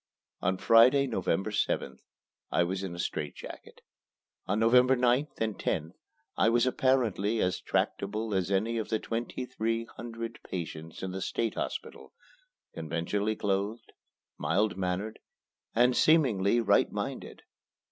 On Friday, November 7th, I was in a strait jacket. On November 9th and 10th I was apparently as tractable as any of the twenty three hundred patients in the State Hospital conventionally clothed, mild mannered, and, seemingly, right minded.